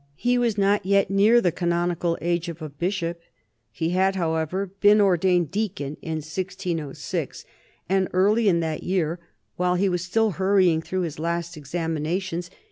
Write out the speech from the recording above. He was not yet near the canonical age of a bishop. He had, however, been ordained deacon in 1606, and early in that year, while he was still hurrying through his last examinations.